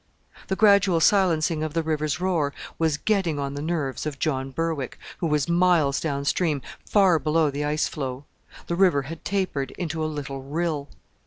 The gradual silencing of the river's roar was getting on the nerves of John Berwick, who was miles down stream, far below the ice flow. The river had tapered into a little rill.